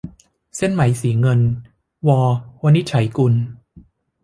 เส้นไหมสีเงิน - ว วินิจฉัยกุล